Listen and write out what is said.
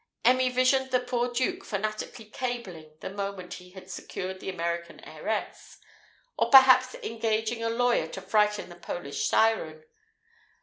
Emmy visioned the poor Duke frantically cabling, the moment he had secured the American heiress; or perhaps engaging a lawyer to frighten the Polish siren.